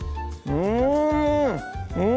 うん！